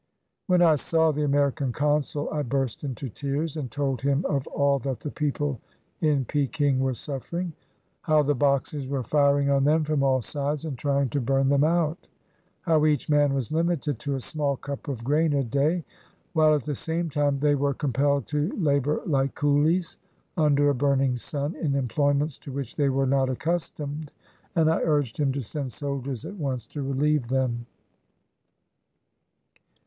When I saw the American Consul, I burst into tears and told him of all that the people in Peking were suffering ; how the Boxers were firing on them from all sides and trying to burn them out; how each man was limited to a small cup of grain a day, while at the same time they were compelled to labor like coolies, under a burning sun, in employments to which they were not accustomed, and I urged him to send soldiers at once to relieve them.